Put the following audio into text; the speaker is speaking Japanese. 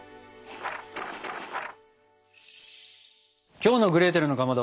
きょうの「グレーテルのかまど」